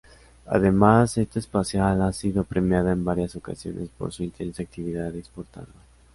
Además, Zeta Espacial ha sido premiada en varias ocasiones por su intensa actividad exportadora.